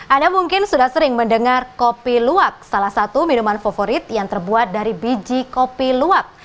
anda mungkin sudah sering mendengar kopi luwak salah satu minuman favorit yang terbuat dari biji kopi luwak